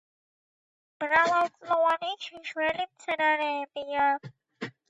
მრავალწლოვანი შიშველი მცენარეებია.